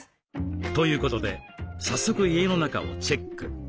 ということで早速家の中をチェック。